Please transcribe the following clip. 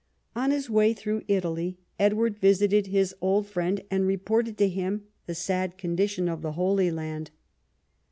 On his way through Italy Edward visited his old friend and reported to him the sad condition of the Holy Land.